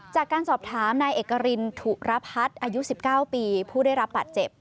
จากการสอบถามนายเอกรินถุระพัฒน์อายุ๑๙ปีผู้ได้รับบาดเจ็บ